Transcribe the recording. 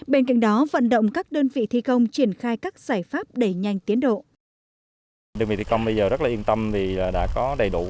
bên cạnh đó vận động các đơn vị thi công triển khai các giải pháp đẩy nhanh tiến độ